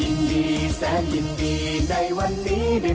นี่